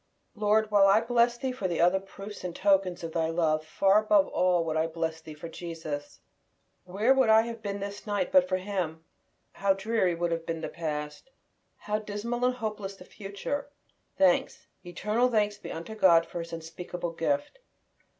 Lord, while I bless Thee for the other proofs and tokens of Thy love, far above all would I bless Thee for Jesus. Where would I have been this night but for Him? How dreary would have been the past! How dismal and hopeless the future! Thanks, eternal Thanks be unto God for His unspeakable gift!